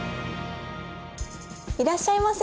いらっしゃいませ。